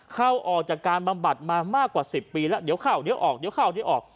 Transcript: เข้าออกจากการบำบัดมามากกว่า๑๐ปีแล้วเดี๋ยวข้าวเดี๋ยวออกเดี๋ยวข้าวเดี๋ยวออก